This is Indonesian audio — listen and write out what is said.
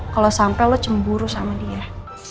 kalau sampai lo cemburu sama dia